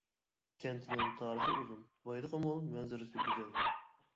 كەنتنىڭ تارىخى ئۇزۇن، بايلىقى مول، مەنزىرىسى گۈزەل.